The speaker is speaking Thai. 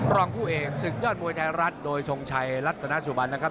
รองผู้เอกศึกยอดมวยไทยรัฐโดยทรงชัยรัฐนาสุบันนะครับ